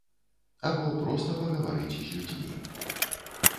Або проста пагаварыць з людзьмі.